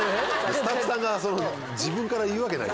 スタッフさんが自分から言うわけない。